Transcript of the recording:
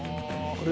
あれ。